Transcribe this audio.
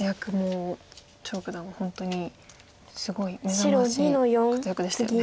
張栩九段は本当にすごい目覚ましい活躍でしたよね。